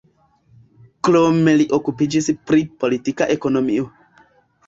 Krome li okupiĝis pri politika ekonomio.